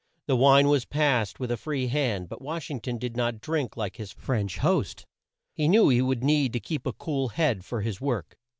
The wine was passed with a free hand, but Wash ing ton did not drink like his French host. He knew he would need to keep a cool head for his work.